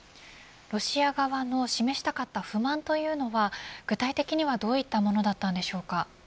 ロシア側の示したかった不満というのは具体的にはどういったものだったんでしょうか。